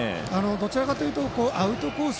どちらかというとアウトコース